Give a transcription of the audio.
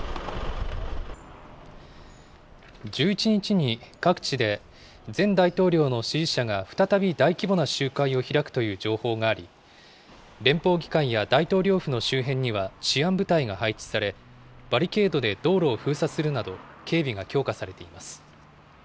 １１日に、各地で前大統領の支持者が再び大規模な集会を開くという情報があり、連邦議会や大統領府の周辺には、治安部隊が配置され、バリケードで道路を封鎖するなど、警備が強化されています。